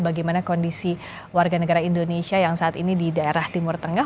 bagaimana kondisi warga negara indonesia yang saat ini di daerah timur tengah